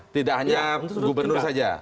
tidak hanya gubernur saja